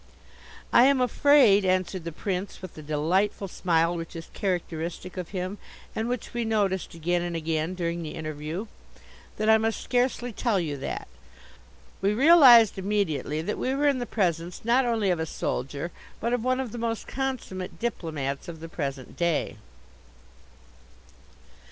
"I am afraid," answered the Prince, with the delightful smile which is characteristic of him, and which we noticed again and again during the interview, "that I must scarcely tell you that." We realized immediately that we were in the presence not only of a soldier but of one of the most consummate diplomats of the present day.